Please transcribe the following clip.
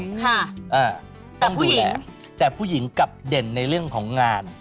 ค่ะต้องดูแลแต่ผู้หญิงกลับเด่นในเรื่องของงาน